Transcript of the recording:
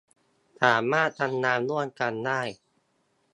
สามารถทำงานร่วมกันได้